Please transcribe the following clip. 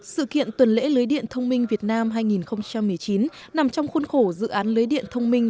sự kiện tuần lễ lưới điện thông minh việt nam hai nghìn một mươi chín nằm trong khuôn khổ dự án lưới điện thông minh